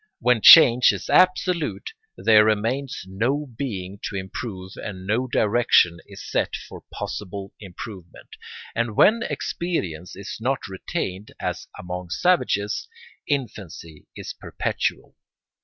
When change is absolute there remains no being to improve and no direction is set for possible improvement: and when experience is not retained, as among savages, infancy is perpetual.